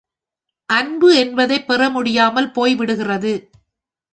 அன்பு என்பதைப் பெற முடியாமல் போய்விடுகிறது.